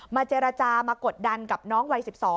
เจรจามากดดันกับน้องวัย๑๒